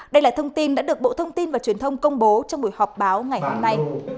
đây là thông tin đã được bộ thông tin và truyền thông công bố trong buổi họp báo ngày hôm nay